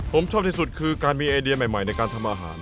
ผมชอบที่สุดคือการมีไอเดียใหม่ในการทำอาหาร